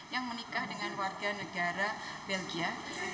yang menikah dengan warga negara belgia